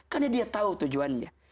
karena dia tahu tujuannya